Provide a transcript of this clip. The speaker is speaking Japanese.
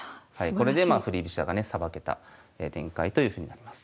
これでまあ振り飛車がねさばけた展開というふうになります。